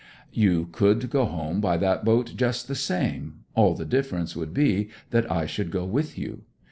'You could go home by that boat just the same. All the difference would be that I should go with you.